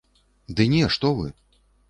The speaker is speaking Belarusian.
Ды не, што вы!